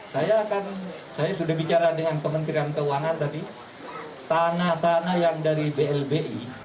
saya kan saya sudah bicara dengan kementerian keuangan tadi tanah tanah yang dari blbi